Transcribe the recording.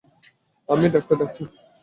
আমি ডাক্তার ডাকছি।